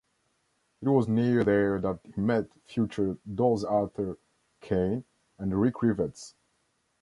It was near there that he met future Dolls Arthur Kane and Rick Rivets.